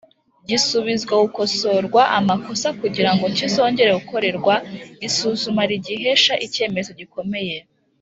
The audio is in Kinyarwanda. gisubizwa gukosorwa amakosa kugira ngo kizongere gukorerwa isuma rigihesha icyemezo gikomeye